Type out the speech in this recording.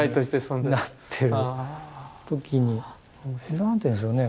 何て言うんでしょうね